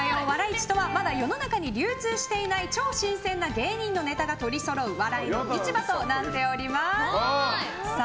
市とはまだ世の中に流通していない超新鮮な芸人のネタが取りそろう笑いの市場となっております。